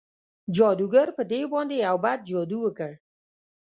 جادوګر په دیو باندې یو بد جادو وکړ.